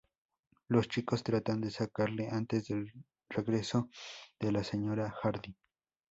Los chicos tratan de sacarla antes del regreso de la señora Hardy.